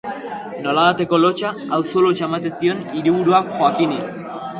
Nolabaiteko lotsa, auzo-lotsa, ematen zion hiriburuak Joaquini.